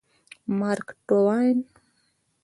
مارک ټواین